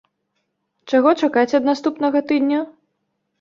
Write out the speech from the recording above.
Чаго чакаць ад наступнага тыдня?